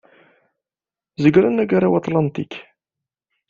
Zegren Agaraw Aṭlantik.